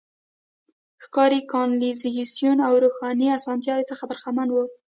ښاري کانالیزاسیون او د روښنايي اسانتیاوو څخه برخمن وو.